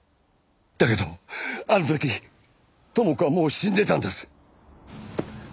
だけどあの時知子はもう死んでたんです。